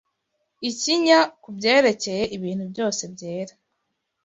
ikinya ku byerekeye ibintu byose byera